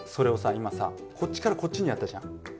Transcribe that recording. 今さこっちからこっちにやったじゃん。